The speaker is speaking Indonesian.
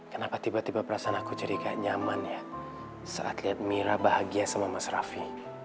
kenapa tiba tiba perasaan aku jadi kayak nyaman ya saat lihat mira bahagia sama mas rafi